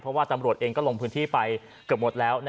เพราะว่าตำรวจเองก็ลงพื้นที่ไปเกือบหมดแล้ว